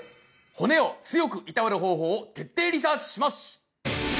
骨を強くいたわる方法を徹底リサーチします！